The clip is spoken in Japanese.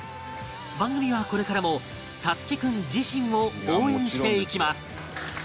番組はこれからも颯喜君自身を応援していきます